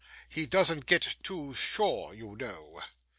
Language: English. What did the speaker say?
He doesn't get too sure, you know.